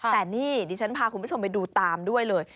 แต่นี่ดิฉันพาคุณผู้ชมไปดูตามด้วยเลย